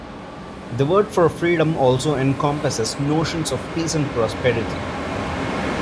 The word for freedom also encompasses notions of peace and prosperity.